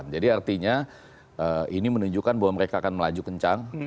jadi artinya ini menunjukkan bahwa mereka akan melaju kencang